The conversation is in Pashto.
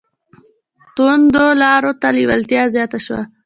توندو لارو ته لېوالتیا زیاته شوه